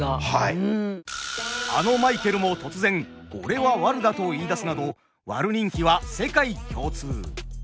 あのマイケルも突然「俺はワル」だと言いだすなどワル人気は世界共通。